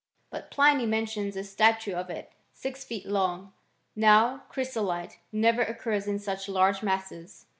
But Pliny mentions a statue of it six feet long. Now chrysolite never occurs in such large masses.